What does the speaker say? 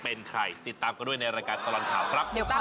ขอแสดงความยินดีกับผู้ที่โชคดีได้รับมอเตอร์ไซค์ตั้งวันนี้ด้วยนะครับ